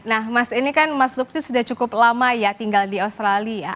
nah mas ini kan mas lukti sudah cukup lama ya tinggal di australia